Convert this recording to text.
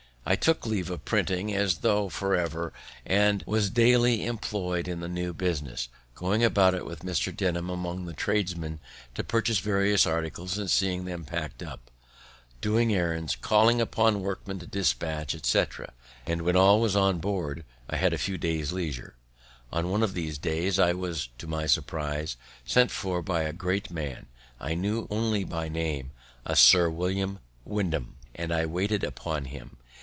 I now took leave of printing, as I thought, forever, and was daily employed in my new business, going about with Mr. Denham among the tradesmen to purchase various articles, and seeing them pack'd up, doing errands, calling upon workmen to dispatch, etc.; and, when all was on board, I had a few days' leisure. On one of these days, I was, to my surprise, sent for by a great man I knew only by name, a Sir William Wyndham, and I waited upon him.